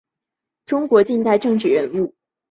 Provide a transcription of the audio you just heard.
中国近代政治人物。